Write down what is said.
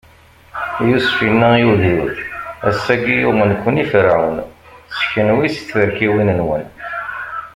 Yusef inna i ugdud: Ass-agi, uɣeɣ-ken i Ferɛun, s kenwi, s tferkiwin-nwen.